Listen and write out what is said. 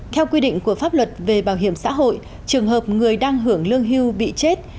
theo quy định của pháp luật về bảo hiểm xã hội trường hợp người đang hưởng lương hưu bị chết